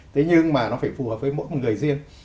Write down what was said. thế nhưng mà nó phải phù hợp với mỗi một người riêng